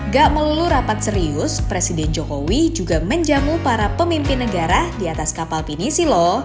gak melulu rapat serius presiden jokowi juga menjamu para pemimpin negara di atas kapal pinisi lho